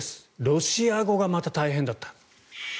ロシア語がまた大変だった。